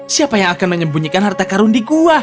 siapa yang akan menyembunyikan harta karun di gua